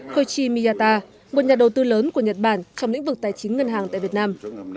koichi miyata một nhà đầu tư lớn của nhật bản trong lĩnh vực tài chính ngân hàng tại việt nam